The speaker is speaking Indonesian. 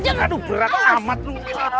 jatuh berat amat lu